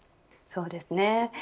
そうですね。